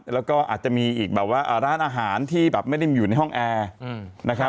แล้วก็อาจจะมีอีกร้านอาหารที่ไม่ได้อยู่ในห้องแอร์